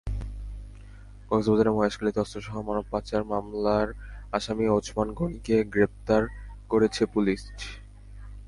কক্সবাজারের মহেশখালীতে অস্ত্রসহ মানব পাচার মামলার আসামি ওচমান গণিকে গ্রেপ্তার করেছে পুলিশ।